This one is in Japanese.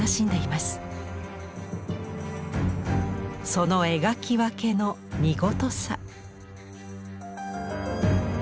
その描き分けの見事さ。